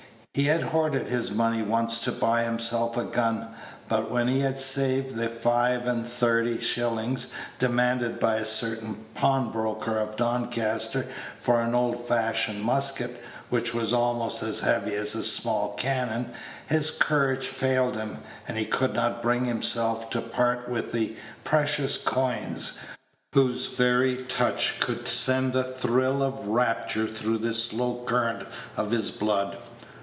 He had hoarded his money once to buy himself a gun; but when he had saved the five and thirty shillings demanded by a certain pawnbroker of Doncaster for an old fashioned musket, which was almost as heavy as a small cannon, his courage failed him, and he could not bring himself to part with the precious coins, whose very touch could send a thrill of rapture through the slow current of his blood.